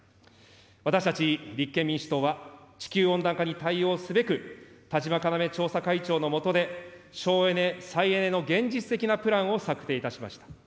私たち立憲民主党は、地球温暖化に対応すべく、田嶋要調査会長の下で、省エネ・再エネの現実的なプランを策定いたしました。